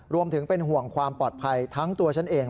รวมถึงเป็นห่วงความปลอดภัยทั้งตัวฉันเอง